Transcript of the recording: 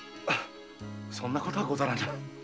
そそんなことはござらぬ。